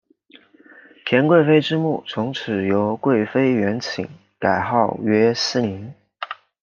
田贵妃之墓从此由贵妃园寝改号曰思陵。